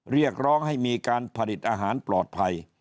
เรียกร้องให้มีการผลิตอาหารปลอดภัย